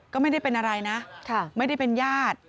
ก็ไม่ได้เป็นอะไรนะไม่ได้เป็นญาติ